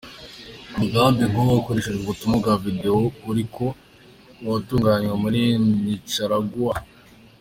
Umugambi nk'uwo hakoreshejwe ubutumwa bwa video uriko uratunganywa muri Nicaragua.